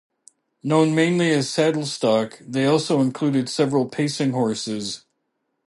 Known mainly as saddle stock, they also included several pacing horses.